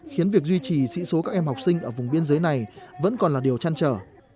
khiến việc duy trì sĩ số các em học sinh ở vùng biên giới này vẫn còn là điều chăn trở